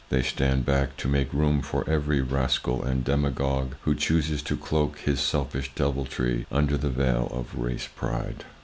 They stand back to make room for every rascal and demagogue who chooses to cloak his selfish deviltry under the veil of race pride.